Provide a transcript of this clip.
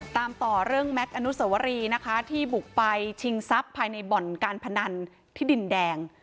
ตามต่อเรื่องแม็กซอนุสวรีนะคะที่บุกไปชิงทรัพย์ภายในบ่อนการพนันที่ดินแดง